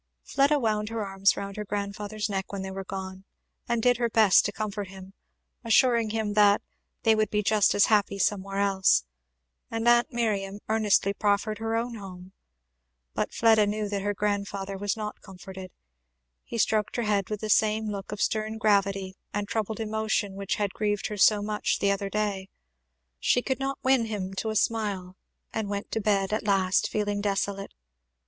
Fleda wound her arms round her grandfather's neck when they were gone, and did her best to comfort him, assuring him that "they would be just as happy somewhere else." And aunt Miriam earnestly proffered her own home. But Fleda knew that her grandfather was not comforted. He stroked her head with the same look of stern gravity and troubled emotion which had grieved her so much the other day. She could not win him to a smile, and went to bed at last feeling desolate.